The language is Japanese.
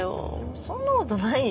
そんなことないよ。